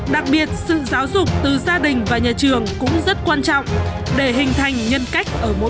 đặc biệt sự giáo dục từ gia đình và nhà trường cũng rất quan trọng để hình thành nhân cách ở mỗi con người